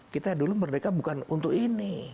kita dulu merdeka bukan untuk ini